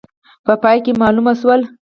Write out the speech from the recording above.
په پای کې معلومه شول.